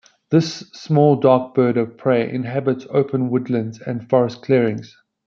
This small dark bird of prey inhabits open woodlands and forest clearings.